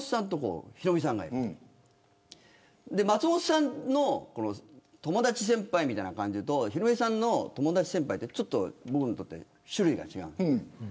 松本さんの友達先輩みたいな感じとヒロミさんの友達先輩というのはちょっと僕にとって種類が違う。